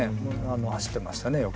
走ってましたねよく。